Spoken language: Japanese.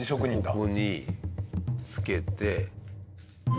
ここにつけて。